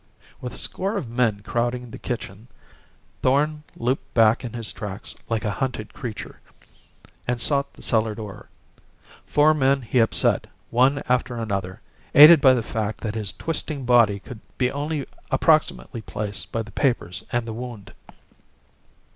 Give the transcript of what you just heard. With a score of men crowding the kitchen, Thorn looped back in his tracks like a hunted creature, and sought the cellar door. Four men he upset, one after another, aided by the fact that his twisting body could be only approximately placed by the papers and the wound.